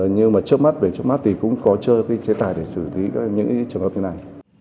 nhưng mà trước mắt về trước mắt thì cũng có chưa chế tài để xử lý những trường hợp như thế này